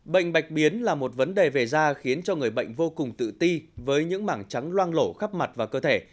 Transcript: bệnh bạch biến là một vấn đề về da khiến cho người bệnh vô cùng tự ti với những mảng trắng loang lổ khắp mặt và cơ thể